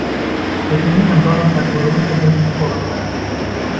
Der Termin am Donnerstag wurde unverbindlich vorgemerkt.